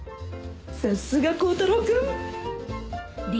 さすが光太郎君！